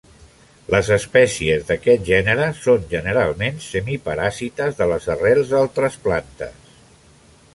Les espècies d'aquest gènere són generalment semiparàsites de les arrels d'altres plantes.